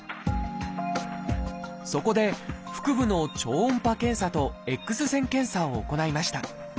そこで腹部の超音波検査とＸ線検査を行いました。